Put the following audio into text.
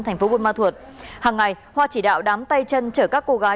tp buôn ma thuột hằng ngày hoa chỉ đạo đám tay chân chở các cô gái